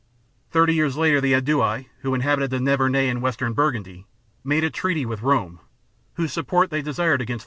Thirty years later the Aedui, who inhabited the INTRODUCTION xv Nivernais and Western Burgundy, made a treaty with Rome, whose support they desired against 121 b.